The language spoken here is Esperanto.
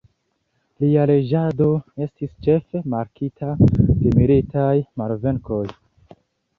Lia reĝado estis ĉefe markita de militaj malvenkoj.